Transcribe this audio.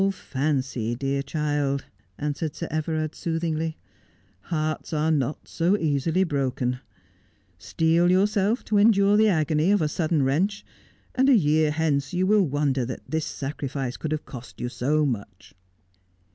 'All fancy, dear child,' answered Sir Everard soothingly. ' Hearts are not so easily broken. Steel yourself to endure the agony of a sudden wrench, and a year hence you will wonder that this sacrifice could have cost you so much.'